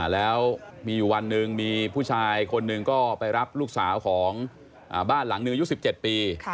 แล้วมีอยู่วันหนึ่งมีผู้ชายคนหนึ่งก็ไปรับลูกสาวของบ้านหลังหนึ่งอายุ๑๗ปี